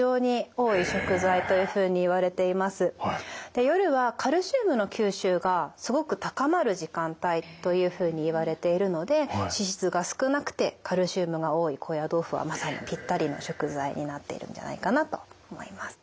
で夜はカルシウムの吸収がすごく高まる時間帯というふうにいわれているので脂質が少なくてカルシウムが多い高野豆腐はまさにピッタリの食材になっているんじゃないかなと思います。